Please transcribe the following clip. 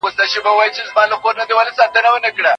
ایا دي فابریکو په رښتیا مرسته وکړه؟